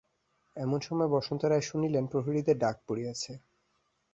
এমন সময় বসন্ত রায় শুনিলেন, প্রহরীদের ডাক পড়িয়াছে।